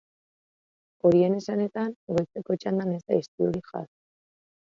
Horien esanetan, goizeko txandan ez da istilurik jazo.